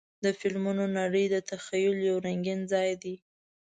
د فلمونو نړۍ د تخیل یو رنګین ځای دی.